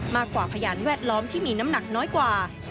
พยานแวดล้อมที่มีน้ำหนักน้อยกว่า